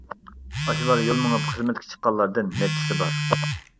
ئاشۇلار يول مېڭىپ خىزمەتكە چىققانلاردىن نەچچىسى بار.